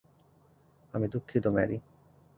আমি দুঃখিত, মেরি।